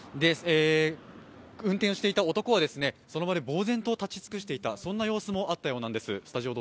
運転していた男はその場でぼう然と立ち尽くしていた、そんな様子もあったようなんです。